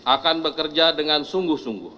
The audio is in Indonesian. akan bekerja dengan sungguh sungguh